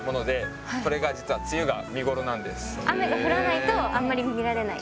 雨が降らないとあんまり見られない？